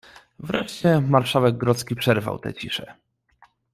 "Wreszcie marszałek grodzki przerwał tę ciszę."